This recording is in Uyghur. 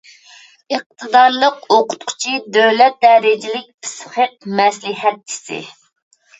ئىقتىدارلىق ئوقۇتقۇچى، دۆلەت دەرىجىلىك پىسخىك مەسلىھەتچىسى